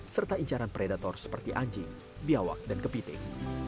serta incaran predator seperti anjing biawak dan kepiting